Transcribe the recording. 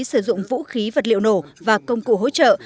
sử dụng vũ khí vật liệu nổ và công cụ hỗ trợ